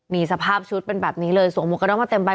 มีสภาพชุดเป็นแบบนี้เลยสวงหมวกกระด้องมาเต็มไป